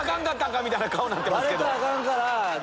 みたいな顔になってますけど。